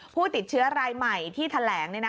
ผู้ติดเชื้อรายใหม่ที่แถลงเนี่ยนะคะ